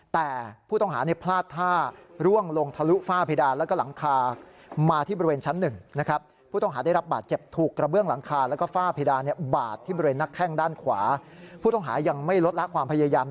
แต่ผู้ต้องหาพลาดท่าร่วงลงทะลุฝ้าเพดานแล้วก็หลังคา